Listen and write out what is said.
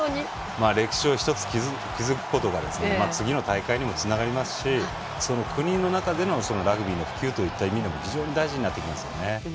歴史を１つ築くことが次の大会にもつながりますし国の中でのラグビーの普及というのにも非常に大事になってきますね。